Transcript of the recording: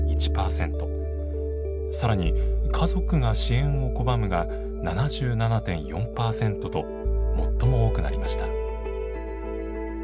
更に「家族が支援を拒む」が７７．４％と最も多くなりました。